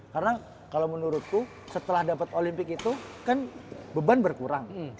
karena kalau menurutku setelah dapet olimpik itu kan beban berkurang